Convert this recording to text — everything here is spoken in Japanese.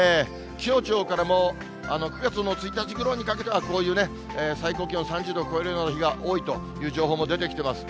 気象庁からも９月の１日ごろにかけては、こういうね、最高気温３０度を超えるような日が多いという情報も出てきてます。